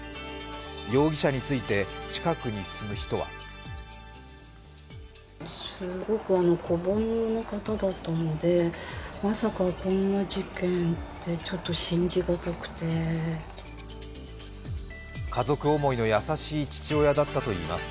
容疑者について近くに住む人は家族思いの優しい父親だったといいます。